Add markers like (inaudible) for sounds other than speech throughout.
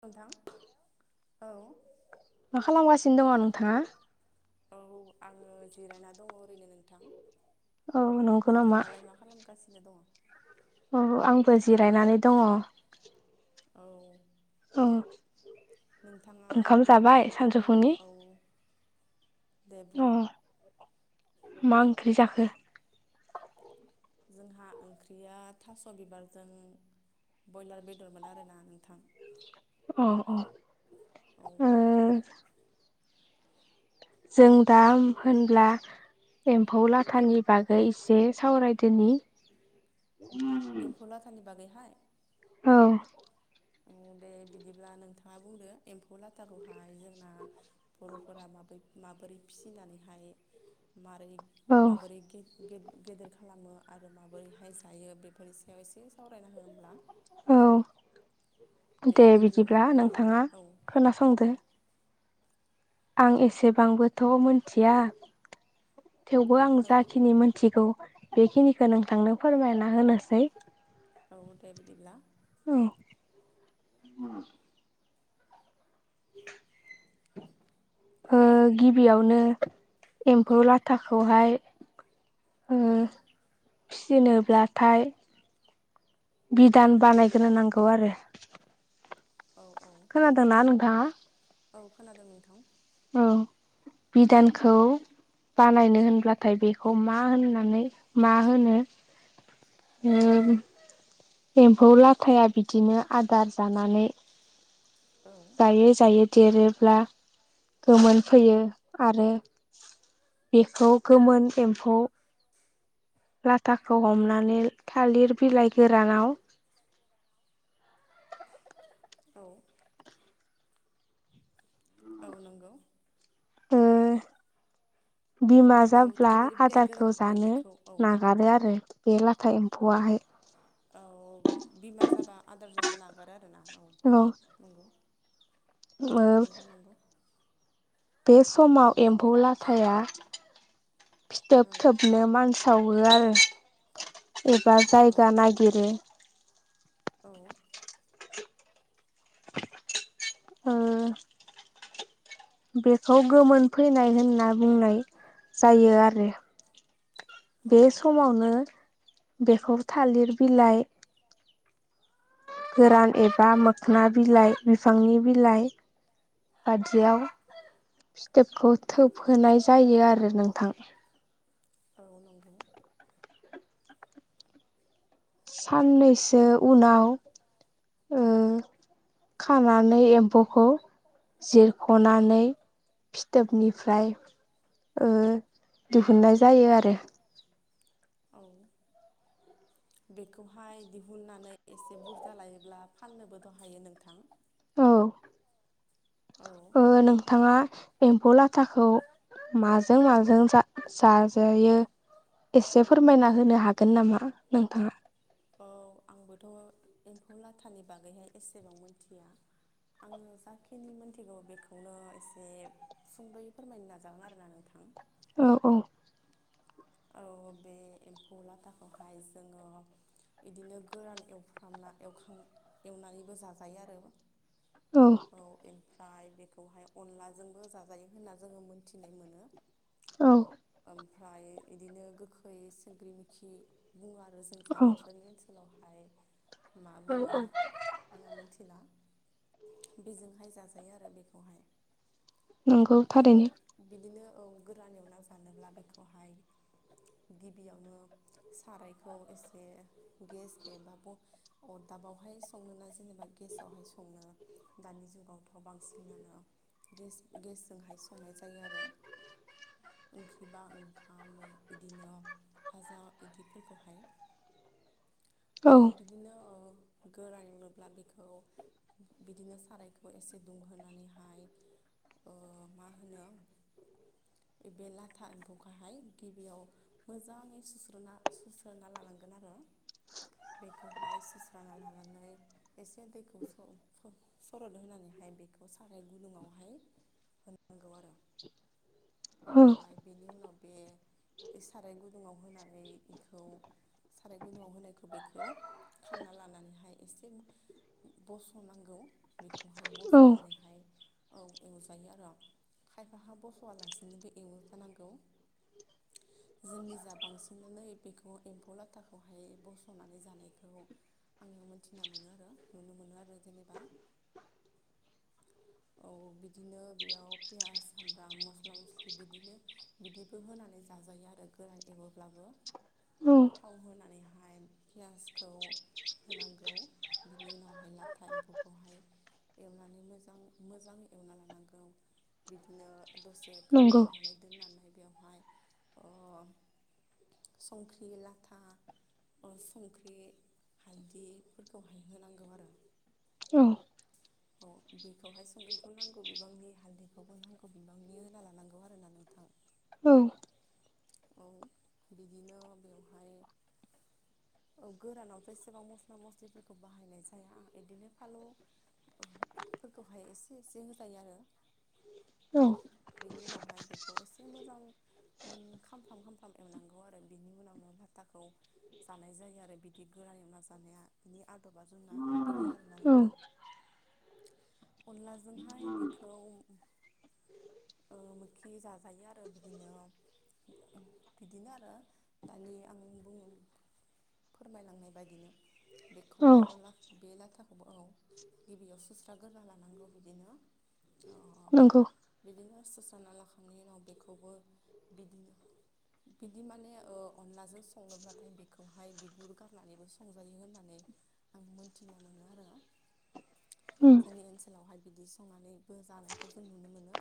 नोंथां औ। नो दङ नोंथाङा। औ आङो जिरायना दङ ओरैनो नोंथां। औ नोंगौ नामा। थनो दङ। औ आंबो जिरायनानै दङ। औ। नोंथाङा ओंखाम जाबाय आंनाव कल सानजौफुनि? औ। अ देबुं मा ओंख्रि जाखो? जोंहा ओंख्रिया थास' बिबारजों ब्रयलार बेदरमोन आर ना नोंथां। अ औ। जों दा होनब्ला एम्फौ लाथानि बागै एसे सावरायदोनि एम्फौ लाथानि बागैहाय औ। औ दे बिदिब्ला नोंथाङा बुंदो एम्फौ लाथाखौहाय जोंना बर'फोरा म माबोरै फिसिनानैहाय मारै औ माबोरै गे गेदेर खालामो आरो माबोरैहाय जायो बेफोरनि सायाव एसे सावरायना हो होमब्ला औ। दे गिबियावनो बिदिब्ला माबोरैहाय नोंथाङा औ औ खोनासंदो आं एसेबांबोथ' मिथिया थेवबो आं औ जाखिनि मोनथिगौ बेखिनिखौ नोंथांनो फोरमायना होनोसै बहुथाये बिदिब्ला औ। (inaudible) ओ गिबियावनो एम्फौ लाथाखौहाय ओ औ। फिसिनोब्लाथाय दान बानायग्रो नांगौ आरो। औ। खोनादोंना नोंथाङा। औ खोनादों नोंथां औ बिधानखौ बानायनो होनब्लाथाय बेखौ मा होननानै मा होनो ओम एम्फौ लाथायाया बिदिनो आदार जानानै औ जायै जायै देरोब्ला गोमोनफैयो आरो बेखौ गोमोन एम्फौ लाथाखौ हमनानै थालिर बिलाइ गोरानाव औ औ नंगौ ओ बिमा औ जाब्ला थालिर बिलाइ आदारखौ गोरानावहाय जानो बेखौ औ नागारो आरो बे लाथाय एम फौआहाय औ बिमा जाबा आदार जानो नागारो आरोना औ नंगौ उनाव नंगौ नंगौ बे समाव एम्फौ लाथाया औ फिथोब थोबनो मानासाव होयो आरो एबा जायगा औ नागिरो औ ओ बेखौ गोमोनफैनाय होनना बुंनाय जायो आ रो औ बे समावनो बेखौ थालिर बिलाइ गोरान एबा मोखोना बिलाइ बिफांनि बिलाइ बादियाव फिथोबखौ थोबहोनाय जायो आरो नोंथां औ नंगौ साननैसो उनाव ओ खानानै एम्फौखौ जिरख'नानै फिथोबनिफ्राय ओ दिहुननाय जायो आरो औ (inaudible) बेखौहाय दिहुननानै एसे बुरजा लायोब्ला फाननोबोथ' हायो नोंथां औ औ ओ नोंथाङा एम्फौ लाथाखौ माजों माजों जा जाजायो एसे फोरमायना होनो हागोन नामा नोंथाङा औ आंबोथ' एम्फौ लाथानि बागैहाय एसेबां मोनथिया आङो जाखिनि मोनथिगौ बेखौनो एसे सुंद'यै फोरमायनो नाजागोन आरोना नोंथां औ औ औ बे एम्फौ लाथाखौहाय जोङो बिदिनो गोरान एवफ्रामना एवखां एवनानैबो जाजायो आरो औ एम फ्राय बेखौहाय अनलाजोंबो जाजायो होनना जोङो मोनथिना मोनो औ ओमफ्राय इदिनो गोखै सिंग्रिमोखि बुङो आरो जोंनिजा औ नोंसोरनि ओनसोलाव ओमफ्राय मा बुङो आङो मिथिला बेजोंहाय जाजायो आरो बेखौहाय नंगौ ओ थारैनो बिदिनो औ गोरान एवना जानोब्ला बेखौहाय (inaudible) गिबियावनो सारायखौ एसे गेस एबा ब अरदाबावहाय हाय सङोना जेनेबा गेसावहाय सङो दानि जुगावथ' बांसिनानो गे गेसजोंहाय संनाय जायो आरो ओंख्रि बा ओंखाम, मै बिदिनो फाजा इदिफोरखौहाय औ बिदिनो औ गोरान एवोब्ला बेखौ बिदिनो सारायखौ एसे दुंहोनानैहाय ओ मा होनो बे लाथा एम्फौखोहाय गिबियाव मोजाङै सुस्रना सुस्रोना लानांगोन आरो बेखौहाय सुस्रा लानानै एसे दैखौ स--स--सरदहोनानैहाय ओमफ्राय बेखौ साराय गुदुंआवहाय होनांगौ आरो औ ओमफ्राय बेनि उनाव बे बे साराय गुदुङाव होनानै बेखौ साराय गुदुङाव होनायखौ बेखौ खांना लानानैहाय एसे बस'नांगौ बेखौहाय औ बस'नानैहाय औ एवजायो आरो खायफाहा बस'आलासिनोबो एवो जानांगौ (inaudible) जोंनिजा बांसिनानो बेखौ एम्फौ लाथाखौहाय बस'नानै जानायखौ आङो मोनथिना मोनो आरो नुनो मोनो आरो जेनेबा (inaudible) औ बिदिनो बेयाव पियास सामब्राम मस्ला मस्लि बिदिनो बिदिबो होनानै जाजायो आरो गोरान एव्लाबो औ थाव होनानै ओमफ्राय पियासखौ होनांगौ बिनि उनावहाय लाथा एम्फौखौहाय एवनानै मोजां मोजाङै एवना लानांगौ बिदिनो दसे नंगौ खोबहाबनानै दोननानै बेयाव बेहाय संख्रि लाथा संख्रि हालदैफोरखौ हायहोनांगौ आरो औ औ बेखौहाय संख्रिखौ नांगौ बिबांनि हालदैखौबो नांगौ बिबांनि होना लानांगौ आरोना नोंथां औ औ बिदिनो बेवहाय औ गोरानावथ' एसेबां मस्ला मस्लिफोरखौ बाहायनाय जाया बिदिनो फानलु फोरफोरखौहाय एसे एसे होजायो आरो (inaudible) बिनि उनावहाय बेखौ एसे मोजां मोनखां खामफ्राम खामफ्राम एवनांगौ आरो बिनि उनावनो लाथाखौ जानाय जायो आरो बिदि गोरान एवना जानाय बिनि आदबा जोंना बिदि आरोना नोंथां (inaudible) (inaudible) अनलाजोंहाय बेखौ मोखि जाजायो आरो बिदिनो बिदिनो आरो दानि आं बुङो फोरमायलांनाय बायदिनो औ बेखौबो बे लाथाखौबो आ गिबियाव सुस्रा गोरा लानांगौ बिदिनो नंगौ बिदिनो सुस्रा लाखांनायनि उनाव बेखौबो बिदिनो (inaudible) बिदि माने अनलाजों संनोब्लाथाय बेखौहाय बिगुर गारनानैबो संजायो होननानै आं मोनथिना मोनो आरो (inaudible) उम जोंनि ओनसोलावहाय बिदि संनानैबो जानायखौ जों नुनो मोनो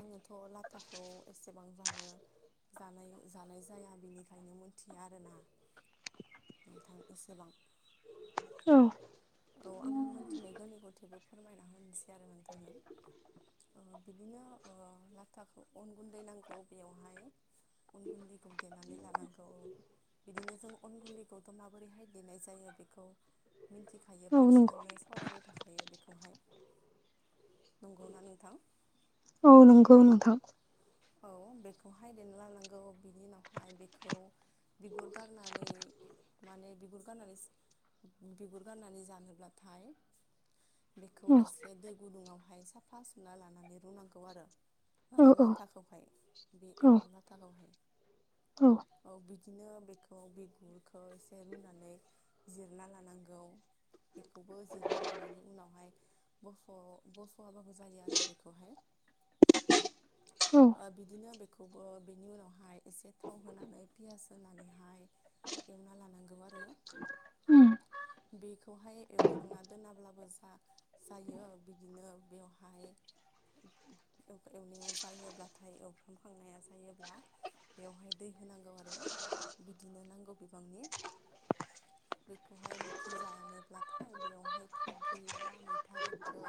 आङोथ' लाथाखौ एसेबां जानो जानाय जानाय जाया बेनिखायनो मोनथिया आरोना नोंथां एसेबां औ औ आं मोनथिनायखौनि गथेबो फोरमायना होनोसै आरो नोंथांनो बिदिनो ओ लाथाखौ ओ अन गुन्दै नांगौ बेयावहाय अन गुन्दैखौ देनानै लानांगौ औ। बिदिनो जों अन गुन्दैखौथ' माबोरैहाय देनाय जायो बेखौ खायो औ नंगौ बांसिनानो सावरायबाय थाखायो हायो बेखौहाय नंगौ ना नोंथां। औ नंगौ नोंथां। औ बेखौहाय देना लानांगौ बिनि उनावहाय बेखौ बिगुर गारनानै माने बिगुर गारनानै बिगुर गाननानै जानोब्लाथाय बेखौ औ एसे दै गुदुङावहाय साफा सुना लानानै रुनांगौ आरो औ ला खौहाय बे औ एम्फौ लाथाखौहाय औ बि बिदिनो बेखौ बिगुरखौ एसे रुनानै जिरना लानांगौ। बेखौबो जिरना लानायनि उनावहाय बस' बस'आबाबो जायो आरो बेखौहाय। (inaudible) बिदिनो बेखौबो बेनि उनावहाय एसे थाव होनानै पियास होनानैहाय एवना लानांगौ आरो। उम बेखौहाय एवखांना दोनाब्लाबो जा जायो बिदिनो बेवहाय एवनाया जायोब्लाथाय एवफ्रामखांनाया जायोब्ला बेवहाय दै होनांगौ आरो। बिदिनो नांगौ बिबांनि (inaudible) बेखौहाय मोखि जानोब्लाथाय बेवहाय थाइगिर बा मैथा गोखै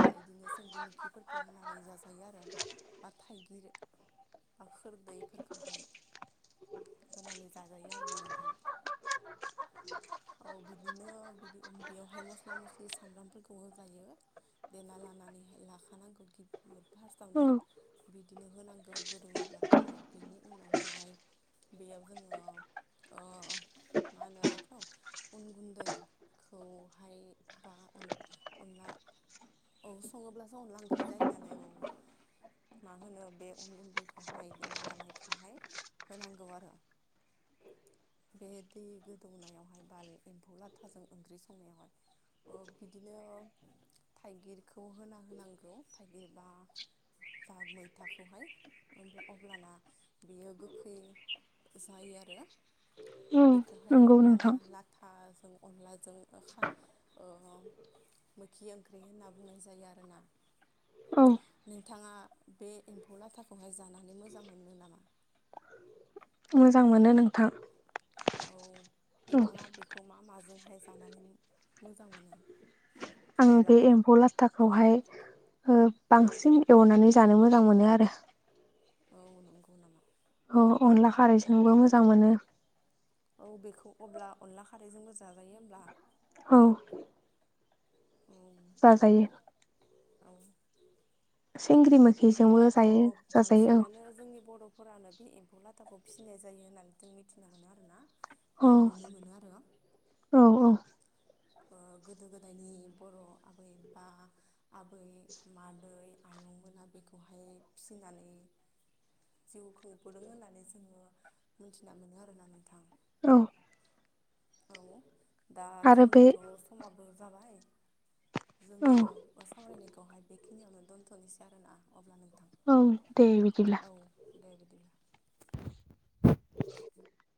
बा बिदिनो संग्रि मोखिफोरखौ होनानै जाजायो आरो। बा थाइगिर बा खोरदैफोरखौहाय। होनानै जाजायो आरोना नोंथां। (inaudible) औ बिदिनो बि बेवहाय मस्ला मस्लि सामब्रामफोरखौ होजायो। देना लानानै लाखानांगौ औ फार्स्टआवनो बिदिनो होनांगौ गोदोङोब्लाथाय बिनि उनावहाय बेयाव जोङो मा होनो बेखौ उन गुन्दै खौहाय बा अनला औ सङोब्लासो अनला ओंख्रि जायो नालाय औ मा होनो बे अन गुन्दैखौ हायदेना लानायखौ खौहाय होनांगौ आरो। बे दै गोदौनायावहाय बाल एम्फौ लाथाजों ओंख्रि संनायावहाय ओ बिदिनो थाइगिरखौ होना होनांगौ थाइगिरबा दा मैथाखौहाय हब्ला अब्लाना बेयो गोखै जायो आरो बेखौहाय नंगौ अब्लाना नोंथां लाथा जों अनलाजों ओ मोखि ओंख्रि होनना बुंनाय जायो आरोना। औ नोंथाङा बे एम्फौ लाथाखौहाय जानानै मोजां मोनो नामा? मोजां मोनो नोंथां। औ औ नोंथाङा बेखौ मा माजोंहाय जानानै मोजां मोनो। आं अब्ला बे एम्फौ लाथाखौहाय बांसिन एवनानै जानो मोजां मोनो आरो। औ नंगौ नामा अनला खारैजोंबो मोजां मोनो। औ बेखौ अब्ला अनला खारैजोंबो जाजायो होमब्ला? औ औ जाजायो। औ सिंग्रि बिदिनो मोखिजोंबो अह जायो जाजायो बांसिनानो जोंनि बर'फोरानो बि बेखौ लाथाखौ फिसिनाय जायो होननानै जों मिथिनो मोनो आरो ना औ बा नुनो मोनो औ औ गोदो गोदायनि बर' आबै बा आबै मादै आइ मैगंमोना बेखौहाय फिसिनानै जिउ खुंबोदों होननानै जोङो मोनथिना मोनो आरोना नोंथां। औ। औ दा आरो बे जोंनाथ' समाबो जाबाय जोङो औ सावरायनायखौहाय बेखिनियावनो दोनथ'नोसै आरोना अब्ला नों औ दे बिदिब्ला दे बिदिब्ला औ।